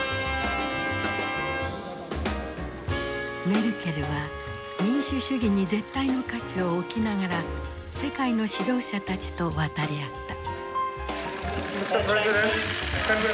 メルケルは民主主義に絶対の価値を置きながら世界の指導者たちと渡り合った。